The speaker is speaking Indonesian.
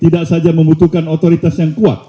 tidak saja membutuhkan otoritas yang kuat